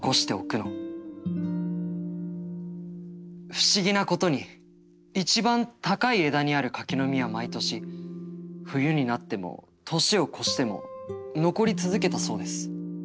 「不思議なことに一番高い枝にある柿の実は毎年冬になっても年を越しても残り続けたそうです。